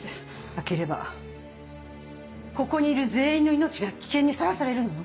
開ければここにいる全員の命が危険にさらされるのよ。